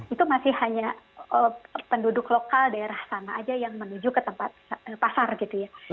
itu masih hanya penduduk lokal daerah sana aja yang menuju ke tempat pasar gitu ya